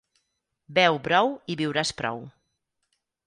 Beu brou i viuràs prou.